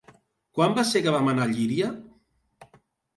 Quan va ser que vam anar a Llíria?